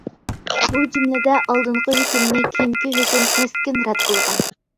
بۇ جۈملىدە ئالدىنقى ھۆكۈمنى كېيىنكى ھۆكۈم كەسكىن رەت قىلغان.